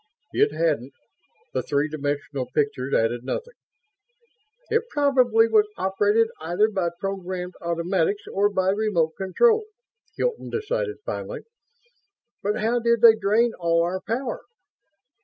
It hadn't. The three dimensional pictures added nothing. "It probably was operated either by programmed automatics or by remote control," Hilton decided, finally. "But how did they drain all our power?